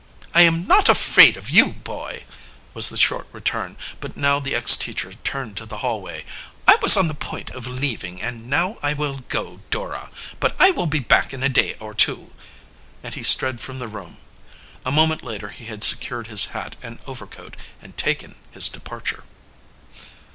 "I am not afraid of you, boy!" was the short return, but now the ex teacher turned to the hallway. "I was on the point of leaving, and now I will go, Dora. But I will be back in a day or two," and he strode from the room. A moment later he had secured his hat and overcoat and taken his departure.